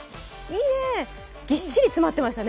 ぎっしり詰まってましたね。